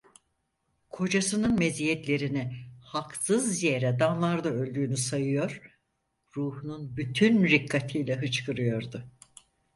Kocasının meziyetlerini, haksız yere damlarda öldüğünü sayıyor, ruhunun bütün rikkatiyle hıçkırıyordu.